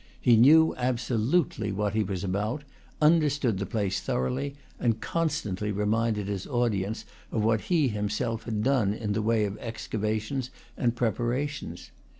He knew absolutely what he was about, understood the place thoroughly, and constantly reminded his audience of what he himself had done in the way of excavations and reparations.